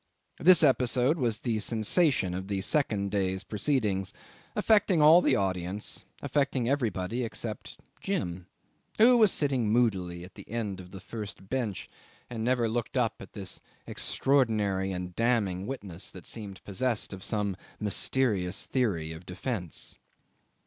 This episode was the sensation of the second day's proceedings affecting all the audience, affecting everybody except Jim, who was sitting moodily at the end of the first bench, and never looked up at this extraordinary and damning witness that seemed possessed of some mysterious theory of defence.